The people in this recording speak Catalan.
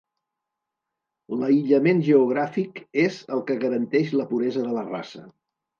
L'aïllament geogràfic és el que garanteix la puresa de la raça.